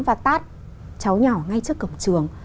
và tát cháu nhỏ ngay trước cổng trường